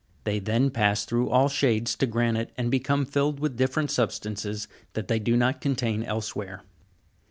They then pass through all shades to granite, and become filled with different substances that they do not contain elsewhere.